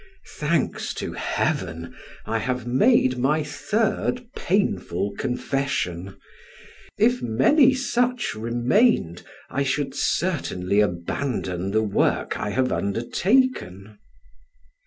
Thanks to Heaven, I have made my third painful confession; if many such remained, I should certainly abandon the work I have undertaken.